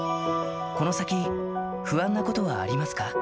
この先、不安なことはありますか？